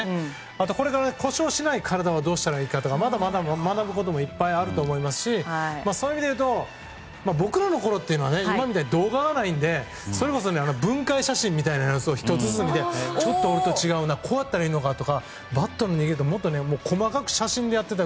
これから故障しない体をどうしたらいいかとかまだまだ学ぶこともいっぱいあると思いますしそういう意味でいうと僕らのころは今みたいに動画はないのでそれこそ分解写真みたいなやつを１つずつ見てちょっと俺と違うなこうやったらいいのかとかバットの握りとか細かく写真でやっていたり。